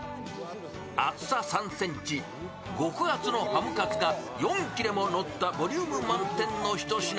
厚さ３ｃｍ、極厚のハムカツが４切れものったボリューム満点のひと品。